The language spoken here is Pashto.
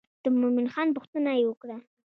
د مومن خان پوښتنه یې وکړه.